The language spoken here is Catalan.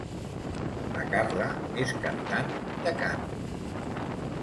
La Carla és cantant de cant.